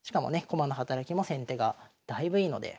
駒の働きも先手がだいぶいいので。